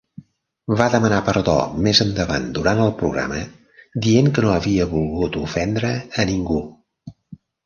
Va demanar perdó més endavant durant el programa, dient que no havia volgut ofendre a ningú.